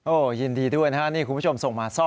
โอ้ยินดีทุกคนค่ะนี่คุณผู้ชมส่งมาซ้อ